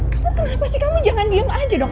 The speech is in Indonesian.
kamu kenapa sih kamu jangan diem aja dong